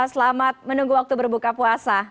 selamat menunggu waktu berbuka puasa